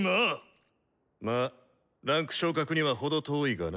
まぁ位階昇格には程遠いがな。